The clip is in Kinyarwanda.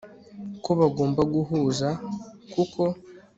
ko bagomba guhuza kuko